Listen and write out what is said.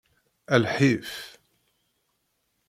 A lḥif.